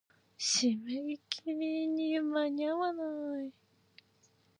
締め切りに間に合わない。